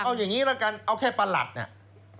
เอาอย่างนี้ละกันเอาแค่ประหลัดเนี่ย